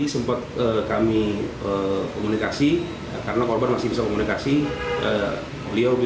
kepada polisi balkon apartemen korban yang tinggal sendiri ini